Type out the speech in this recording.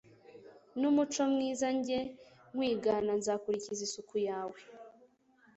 N'umuco mwiza njye nkwiganaNzakurikiza isuku yawe